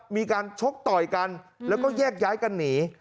มีการชกต่อยกันแล้วก็แยกย้ายกันหนี